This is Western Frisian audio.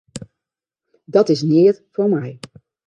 Dat is neat foar my.